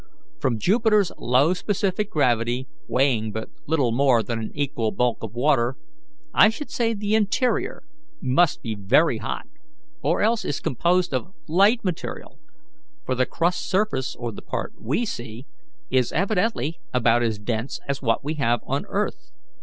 From Jupiter's low specific gravity, weighing but little more than an equal bulk of water, I should say the interior must be very hot, or else is composed of light material, for the crust's surface, or the part we see, is evidently about as dense as what we have on earth.